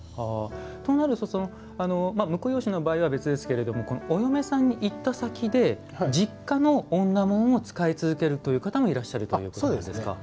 そうなると婿養子の場合は別ですけどお嫁さんにいった先で実家の女紋を使い続ける方もいらっしゃるということですか。